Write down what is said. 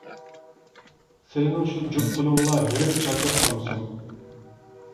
سىلىنىڭ شۇ جۈپ قۇلۇڭلا، ھېرىپ چارچاپ قالمىسۇن.